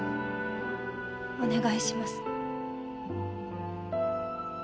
お願いします。